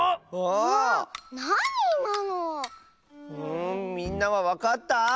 んみんなはわかった？